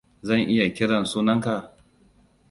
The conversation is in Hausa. Zan iya kiran sunanka?